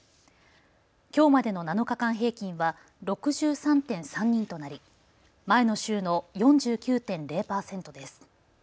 きょうまでの７日間平均は６３．３人となり前の週の４９．０％です。